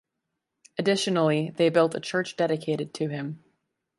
Additionally they built a church dedicated to him.